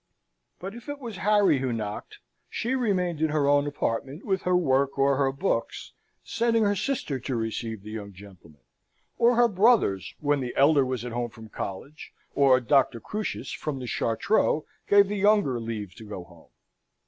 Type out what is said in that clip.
But if it was Harry who knocked, she remained in her own apartment with her work or her books, sending her sister to receive the young gentleman, or her brothers when the elder was at home from college, or Doctor Crusius from the Chartreux gave the younger leave to go home.